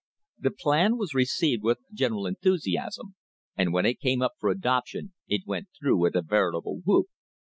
The plan was received with general enthusiasm, and when it came up for adoption it went through with a veritable whoop.